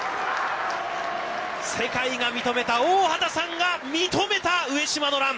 世界が認めた大畑さんが認めた上嶋のラン。